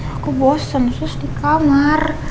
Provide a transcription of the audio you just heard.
aku bosen sus di kamar